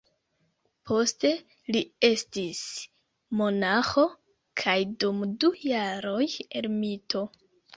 Poste li estis monaĥo, kaj dum du jaroj ermito.